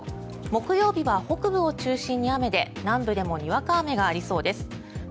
木曜日は北部を中心に雨で南部でもにわか雨がありそうです。